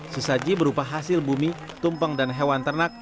sesaji berupa hasil bumi tumpeng dan hewan ternak